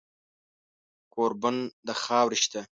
کوربون د خاورې شه